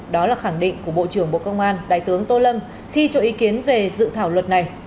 đó là khẳng định của bộ trưởng bộ công an đại tướng tô lâm khi cho ý kiến về dự thảo luật này